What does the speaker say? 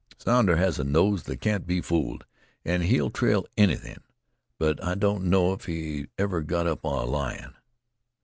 Sounder has a nose that can't be fooled, an' he'll trail anythin'; but I don't know if he ever got up a lion."